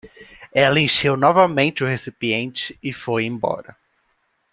Ela encheu novamente o recipiente e foi embora.